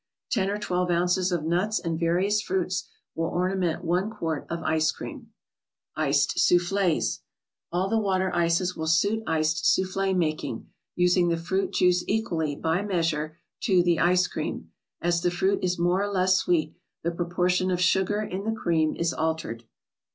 Ten or twelve ounces of nuts and various fruits will ornament one quart of ice cream. 54 THE BOOK OF ICES. 3!ccD ^>oufiftcss* All the water ices will suit Iced Souffle making, using the fruit juice equally, by measure, to the ice cream. As the fruit is more or less sweet, the proportion of sugar in the cream is altered.